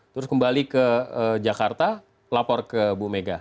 terus kembali ke jakarta lapor ke bu mega